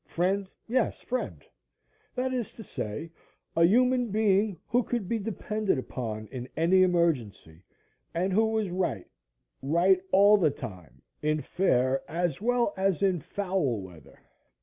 Friend? Yes, FRIEND. That is to say a human being who could be depended upon in any emergency and who was right right all the time in fair as well as in foul weather.